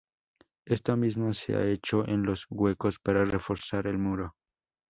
Esto mismo se ha hecho en los huecos, para reforzar el muro.